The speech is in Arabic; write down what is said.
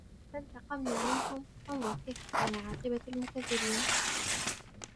فانتقمنا منهم فانظر كيف كان عاقبة المكذبين